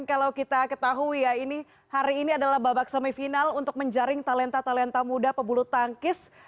kalau kita ketahui ya ini hari ini adalah babak semifinal untuk menjaring talenta talenta muda pebulu tangkis